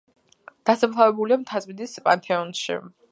დასაფლავებულია მთაწმინდის პანთეონში.